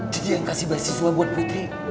jadi yang ngasih beasiswa buat putri